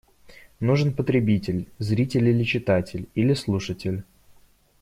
Нужен потребитель – зритель или читатель, или слушатель.